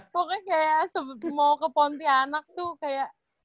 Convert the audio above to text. pokoknya kayak mau ke pontianak tuh kayak